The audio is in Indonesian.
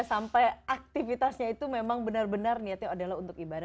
sampai aktivitasnya itu memang benar benar niatnya adalah untuk ibadah